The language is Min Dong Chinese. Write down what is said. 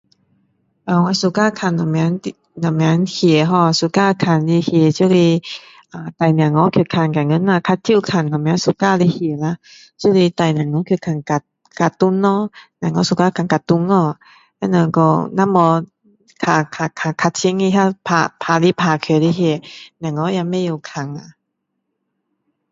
呃我喜欢看什么中什么戏咯喜欢看的戏就是带小孩去看今天就是带小孩去看喜欢的戏啦就是带小孩去看卡通咯小孩喜欢看卡通哦像说那比较深的打来打去的戏小孩也不会看啊